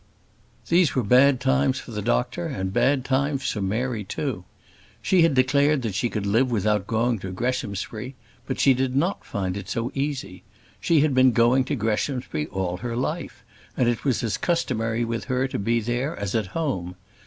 These were bad times for the doctor, and bad times for Mary too. She had declared that she could live without going to Greshamsbury; but she did not find it so easy. She had been going to Greshamsbury all her life, and it was as customary with her to be there as at home.